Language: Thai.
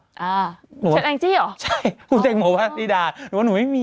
เชิญแองจี่หรอใช่คุณเต็มโมพฤธิดาหนูว่าหนูไม่มี